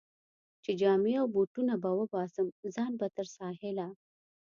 چې جامې او بوټونه به وباسم، ځان به تر ساحله.